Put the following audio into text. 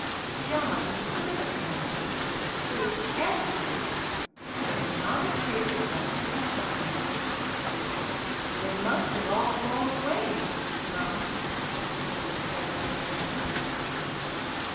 John, the servant man, searched everywhere, but not a trace of them could he find. "They must have all blown away, mum," he said to Aunt Hannah.